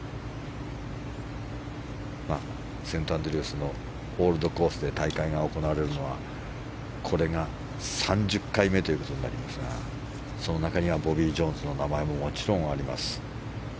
セントアンドリュースのオールドコースで大会が行われるのはこれが３０回目となりますがその中にはボビー・ジョーンズの名前も、もちろんあります。